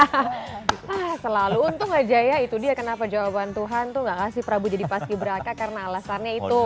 hahaha selalu untung aja ya itu dia kenapa jawaban tuhan tuh gak kasih prabu jadi paski beraka karena alasannya itu